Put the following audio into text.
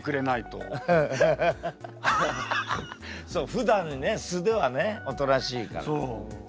ふだんね素ではねおとなしいから。